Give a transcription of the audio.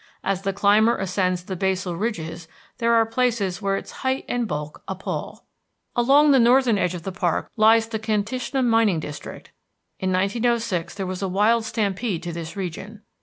As the climber ascends the basal ridges there are places where its height and bulk appall. Along the northern edge of the park lies the Kantishna mining district. In 1906 there was a wild stampede to this region.